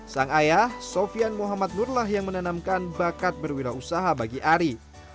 sang ayah sofian muhammad nurlah yang menanamkan bakat berwirausaha bagi ari